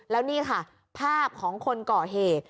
แล้วนี่ค่ะภาพของคนก่อเหตุ